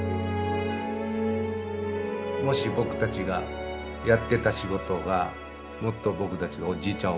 もし僕たちがやってた仕事がもっと僕たちがおじいちゃん